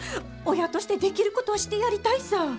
親としてできることはしてやりたいさぁ。